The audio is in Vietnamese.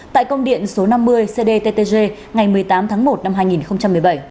tại công điện số năm mươi cdttg ngày một mươi tám tháng một năm hai nghìn một mươi bảy